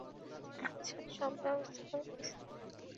আচ্ছা, সব ব্যাবস্থা হয়ে গেছে।